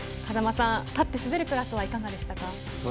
風間さん、立って滑るクラスはいかがでしたか。